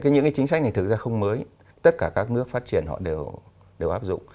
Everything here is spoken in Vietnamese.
những chính sách này thực ra không mới tất cả các nước phát triển họ đều áp dụng